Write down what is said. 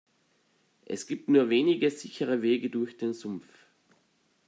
Es gibt nur wenige sichere Wege durch den Sumpf.